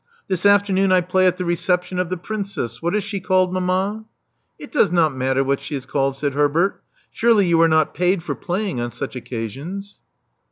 This afternoon I play at the reception of the Princess — what is she called, mamma?" It does not matter what she is called," said Herbert. Surely you are not paid for playing on such occasions?"